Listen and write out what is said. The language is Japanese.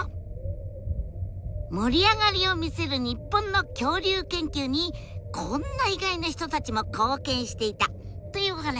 盛り上がりを見せる日本の恐竜研究にこんな意外な人たちも貢献していたというお話です！